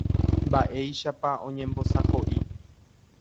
Mba'éichapa oñembosako'i.